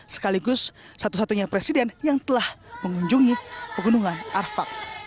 sekaligus satu satunya presiden yang telah mengunjungi pegunungan arfak